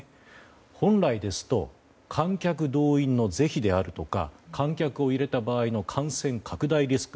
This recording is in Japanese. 本来ですと観客動員の是非であるとか観客を入れた場合の感染拡大リスク